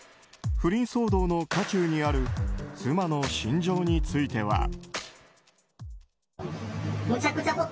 不倫騒動の渦中にある妻の心情については。